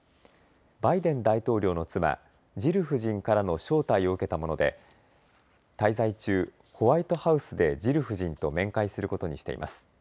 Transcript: バイデン大統領の妻、ジル夫人からの招待を受けたもので滞在中、ホワイトハウスでジル夫人と面会することにしています。